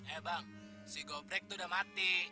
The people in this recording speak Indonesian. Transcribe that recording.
eh bang si goprek tuh udah mati